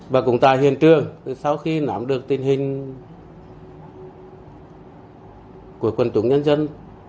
và cũng tại hiện trường sau khi nắm được tình hình của quân chủng nhân dân